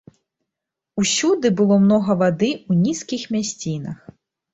Усюды было многа вады ў нізкіх мясцінах.